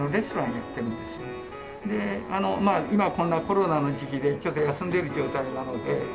それでまぁ今はこんなコロナの時期でちょっと休んでいる状態なので。